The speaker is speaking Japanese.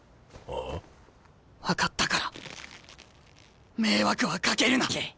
あ？分かったから迷惑はかけるな。